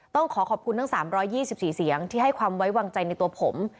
ต้องขอขอบคุณทั้ง๓๒๔เสียงที่ให้ความไว้วางใจในตัวผม